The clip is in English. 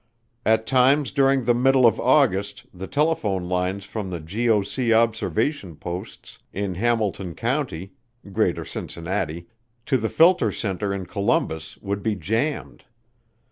At times during the middle of August the telephone lines from the GOC observation posts in Hamilton County (greater Cincinnati) to the filter center in Columbus would be jammed.